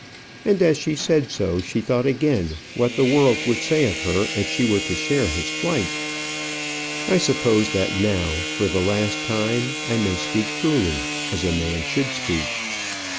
And as she said so, she thought again, what would the world say of her if she were to share his flight? "I suppose that now, for the last time, I may speak truly as a man should speak.